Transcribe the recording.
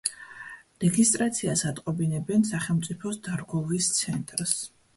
რეგისტრაციას ატყობინებენ სახელმწიფოს დარგოლვის ცენტრს.